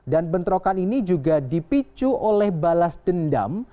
dan bentrokan ini juga dipicu oleh balas dendam